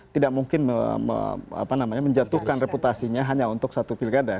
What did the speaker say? tidak mungkin menjatuhkan reputasinya hanya untuk satu pilkada